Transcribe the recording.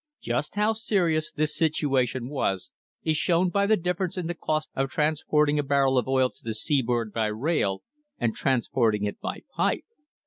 Just how seri ous this situation was is shown by the difference in the cost of transporting a barrel of oil to the seaboard by rail and transporting it by pipe.